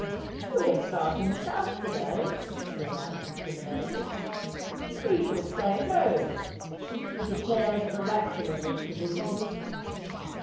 "We are starting south to day," he announces to the neighbours. "We shall stay home," he declares oracularly to visitors.